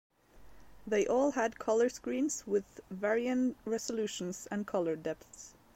They all had color screens with varying resolutions and color depth.